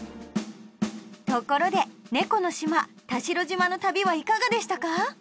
ところで猫の島・田代島の旅はいかがでしたか？